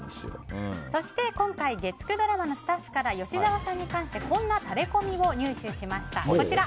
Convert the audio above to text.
そして今回、月９ドラマのスタッフから吉沢さんに関してこんなタレコミを入手しました。